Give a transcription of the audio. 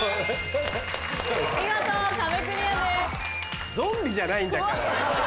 見事壁クリアです。